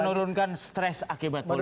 menurutkan stres akibat politik